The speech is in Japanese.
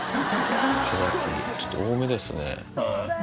池崎、ちょっと多めですね。